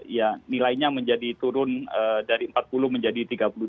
ya nilainya menjadi turun dari empat puluh menjadi tiga puluh dua